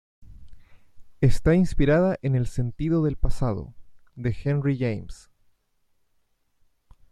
Está inspirada en "El sentido del pasado", de Henry James.